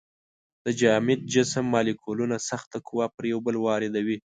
د جامد جسم مالیکولونه سخته قوه پر یو بل واردوي.